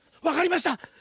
「わかりました！